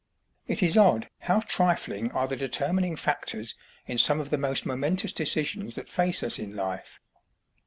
It is odd how trifling are the determining factors in some of the most momentous decisions that face us in life.